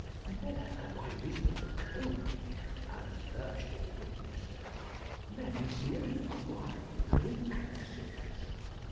There, by reason of the cold (as Virgil witnesseth), men break wine with axes.